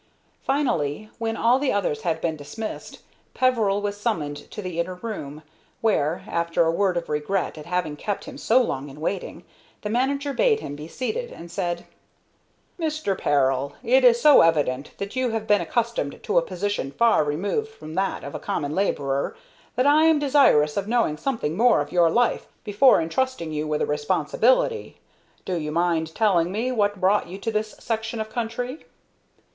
Finally, when all the others had been dismissed, Peveril was summoned to the inner room, where, after a word of regret at having kept him so long in waiting, the manager bade him be seated, and said: "Mr. Peril, it is so evident that you have been accustomed to a position far removed from that of a common laborer, that I am desirous of knowing something more of your life before intrusting you with a responsibility. Do you mind telling me what brought you to this section of country?"